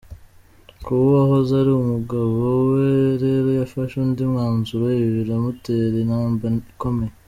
Kuba uwahoze ari umugabo we rero yafashe undi mwanzuro ibi biramutera intimba ikomeye.